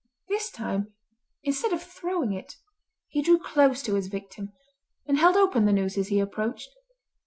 This time, instead of throwing it, he drew close to his victim, and held open the noose as he approached.